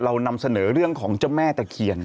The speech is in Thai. เรานำเสนอเรื่องของเจ้าแม่ตะเคียน